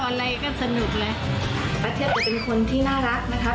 แม่เทียบจะเป็นคนที่น่ารักนะครับ